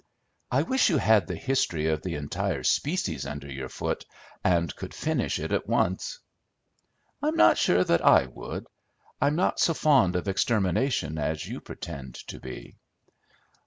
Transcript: "I wish you had the history of the entire species under your foot, and could finish it at once." "I'm not sure that I would; I'm not so fond of extermination as you pretend to be."